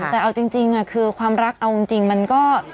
แต่เอาจริงคือความรักเอาจริงมันก็